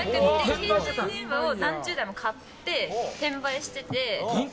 携帯電話を何十台も買って転売してて。